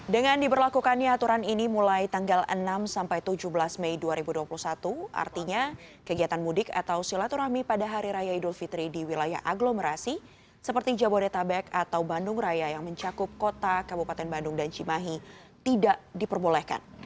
dengan diberlakukannya aturan ini mulai tanggal enam sampai tujuh belas mei dua ribu dua puluh satu artinya kegiatan mudik atau silaturahmi pada hari raya idul fitri di wilayah aglomerasi seperti jabodetabek atau bandung raya yang mencakup kota kabupaten bandung dan cimahi tidak diperbolehkan